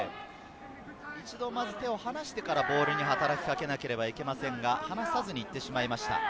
一度、手を離してからボールに働きかけなければいけませんが、離さずに行ってしまいました。